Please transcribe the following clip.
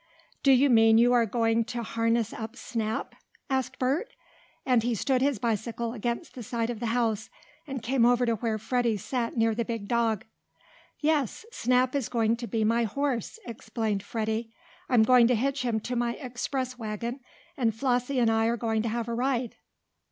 "Do you mean you are going to harness up Snap?" asked Bert, and he stood his bicycle against the side of the house, and came over to where Freddie sat near the big dog. "Yes. Snap is going to be my horse," explained Freddie. "I'm going to hitch him to my express wagon, and Flossie and I are going to have a ride."